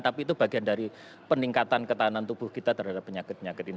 tapi itu bagian dari peningkatan ketahanan tubuh kita terhadap penyakit penyakit ini